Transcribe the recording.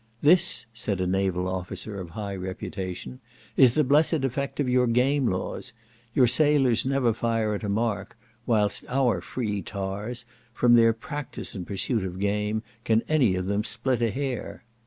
"This, " said a naval officer of high reputation, "is the blessed effect of your game laws; your sailors never fire at a mark; whilst our free tars, from their practice in pursuit of game, can any of them split a hair."